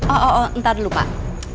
oh oh oh entar dulu pak